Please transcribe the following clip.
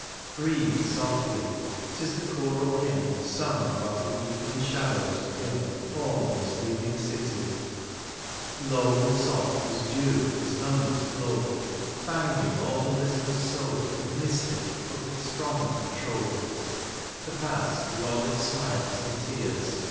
Breathe soMy^ 'tis the choral hymn Sung while the evening shadows dim Fall on the sleeping city — ^low And soft as dew its nimibers flow ; Binding all the listener's soul With mystic but with strong control ; The pastj with all its smiles and tears.